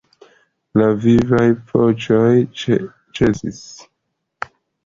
La vivaj voĉoj ĉesis.